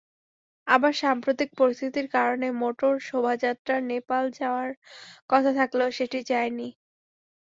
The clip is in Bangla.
আবার সাম্প্রতিক পরিস্থিতির কারণে মোটর শোভাযাত্রার নেপাল যাওয়ার কথা থাকলেও সেটি যায়নি।